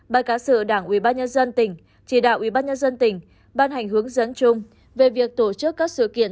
ban cá sự đảng ubnd tỉnh chỉ đạo ubnd tỉnh ban hành hướng dẫn chung về việc tổ chức các sự kiện